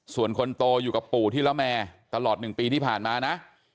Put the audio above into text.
ส่วนคนโตอยู่กับปู่ที่ละแมตลอด๑ปีที่ผ่านมานะ